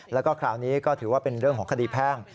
แล้วก็คราวนี้ก็ถือว่าเป็นเรื่องของคดีแพ่ง